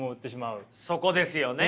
そこですよね。